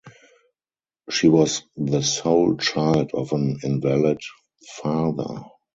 She was the sole child of an invalid father.